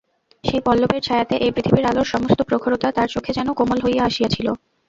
সেই পল্লবের ছায়াতে এই পৃথিবীর অলোর সমস্ত প্রখরতা তার চোখে যেন কোমল হইয়া আসিয়াছিল।